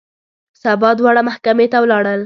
سبا دواړه محکمې ته ولاړل.